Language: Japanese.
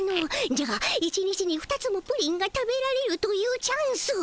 じゃが一日にふたつもプリンが食べられるというチャンス